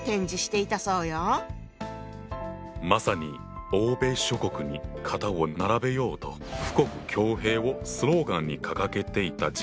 まさに欧米諸国に肩を並べようと富国強兵をスローガンに掲げていた時代だよな。